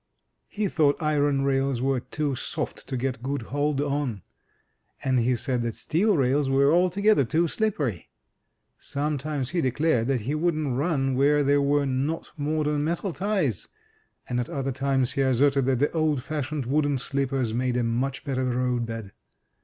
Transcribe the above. He thought iron rails were too soft to get good hold on, and he said that steel rails were altogether too slippery. Sometimes he declared that he wouldn't run where there were not modem metal ties, and at other times he asserted that the old fashioned wooden sleepers made a much better road bed.